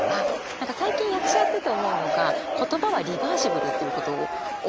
何か最近役者やってて思うのが言葉はリバーシブルっていうことを思うことがあって。